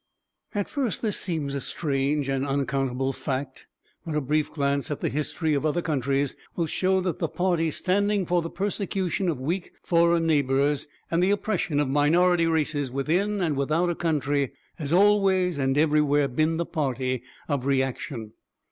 At first this seems a strange and unaccountable fact, but a brief glance at the history of other countries will show that the party standing for the persecution of weak foreign neighbours and the oppression of minority races within and without a country has always and everywhere been the party of reaction.